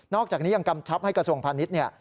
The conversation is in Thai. นอกจากนี้ยังกำชับให้กระทรวงพันธุ์